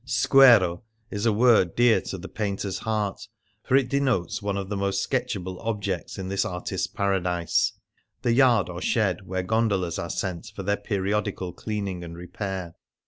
Squero is a word dear to the painter's heart, for it denotes one of the most sketchable objects in this artist's paradise — the yard or shed where gondolas are sent for their periodical cleaning and repair.